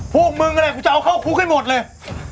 พวกมึงอะไรกูจะเอาเข้าคุกให้หมดเลย